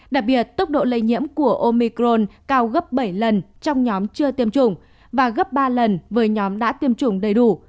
đặc biệt tốc độ lây nhiễm của omicron cao gấp bảy lần trong nhóm chưa tiêm chủng và gấp ba lần với nhóm đã tiêm chủng đầy đủ